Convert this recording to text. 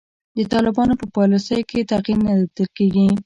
د طالبانو په پالیسیو کې تغیر نه لیدل کیږي.